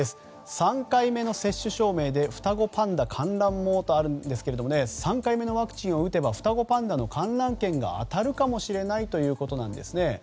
３回目の接種証明で双子パンダ観覧もとあるんですが３回目のワクチンを打てば双子パンダの観覧券が当たるかもしれないということです。